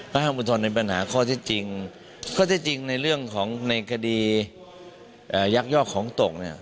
ถ้าห้ามอุทธรณ์ในปัญหาข้อที่จริงข้อที่จริงในเรื่องของในกดียักยอกของตกเนี่ย